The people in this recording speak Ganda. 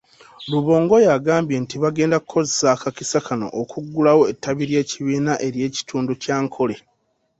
Rubongoya agambye nti bagenda kukozesa akakisa kano okuggulawo ettabi ly'ekibiina ery'ekitundu ky'Ankole.